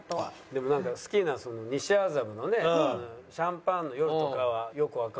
でもなんか好きなその西麻布のねシャンパンの夜とかはよくわからないですよね。